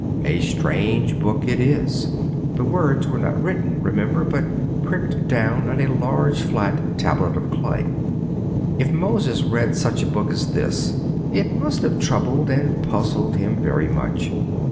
A strange book it is. The words were not written, remember, but pricked down on a large flat tablet of clay. If Moses read such a book as this, it must have troubled and puzzled him very much.